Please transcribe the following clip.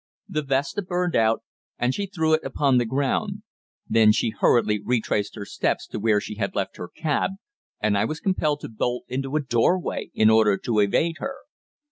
The vesta burned out, and she threw it upon the ground. Then she hurriedly retraced her steps to where she had left her cab, and I was compelled to bolt into a doorway in order to evade her.